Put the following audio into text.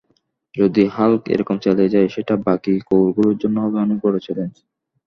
যদি হাল্ক এরকম চালিয়ে যায়, সেটা বাকি কুকুরগুলোর জন্য হবে অনেক বড় চ্যালেঞ্জ।